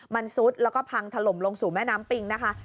มันซุดแล้วก็พังถล่มลงสู่แม่น้ำปิงนะคะ